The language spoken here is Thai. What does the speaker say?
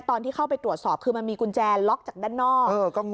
ตอนที่เข้าไปตรวจสอบคือมันมีกุญแจล็อกจากด้านนอก